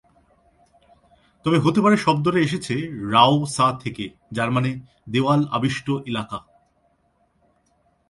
তবে হতে পারে শব্দটা এসেছে রাও-সা থেকে যার মানে ‘দেয়াল আবিষ্ট এলাকা’।